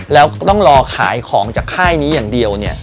แล้วต้องรอขายของจากค่ายนี้อย่างเดียวเนี่ย